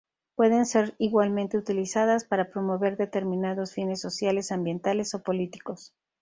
Pueden ser igualmente utilizadas para promover determinados fines sociales, ambientales o políticos.